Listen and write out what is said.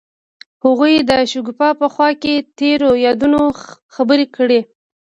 هغوی د شګوفه په خوا کې تیرو یادونو خبرې کړې.